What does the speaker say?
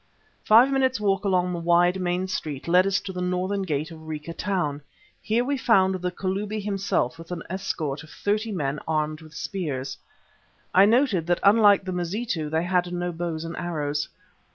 Five minutes' walk along the wide, main street led us to the northern gate of Rica Town. Here we found the Kalubi himself with an escort of thirty men armed with spears; I noted that unlike the Mazitu they had no bows and arrows.